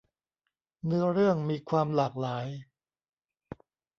เนื้อเรื่องมีความหลากหลาย